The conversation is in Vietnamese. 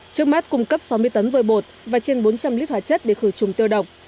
trước mắt cung cấp sáu mươi tấn vơi bột và trên bốn trăm linh lít hóa chất để khử trùng tiêu độc